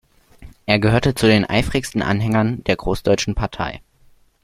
Er gehörte zu den eifrigsten Anhängern der großdeutschen Partei.